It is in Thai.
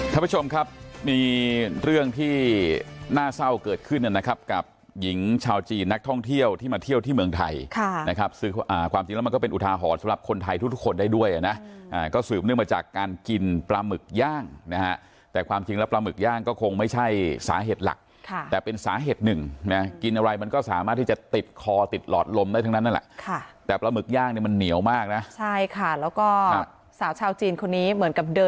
ท่านผู้ชมครับมีเรื่องที่น่าเศร้าเกิดขึ้นนะครับกับหญิงชาวจีนนักท่องเที่ยวที่มาเที่ยวที่เมืองไทยนะครับความจริงแล้วมันก็เป็นอุทาหรสำหรับคนไทยทุกคนได้ด้วยนะก็สืบเนื่องมาจากการกินปลาหมึกย่างแต่ความจริงแล้วปลาหมึกย่างก็คงไม่ใช่สาเหตุหลักแต่เป็นสาเหตุหนึ่งกินอะไรมันก็สามารถที่จะต